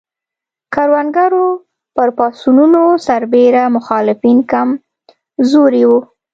کروندګرو پر پاڅونونو سربېره مخالفین کم زوري وو.